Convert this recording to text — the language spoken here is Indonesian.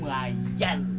wah kena dibayar bang